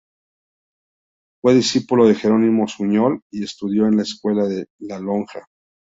Fue discípulo de Jerónimo Suñol, y estudió en la Escuela de la Lonja.